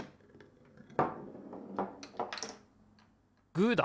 グーだ！